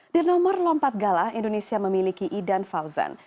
di nomor lompat gala indonesia memiliki idan fauzan